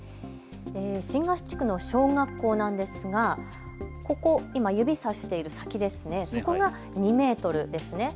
新河岸地区の小学校なんですがここ今、指さしている先ですね、そこが２メートルですね。